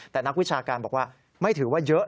แต่นักวิชาการบอกว่าไม่ถือว่าเยอะ